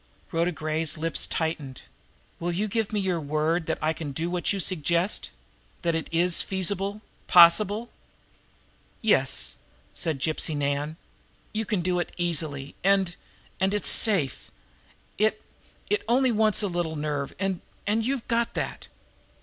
Rhoda Gray's lips tightened, "Will you give me your word that I can do what you suggest that it is feasible, possible?" "Yes," said Gypsy Nan. "You can do it easily, and and it's safe. It it only wants a little nerve, and and you've got that."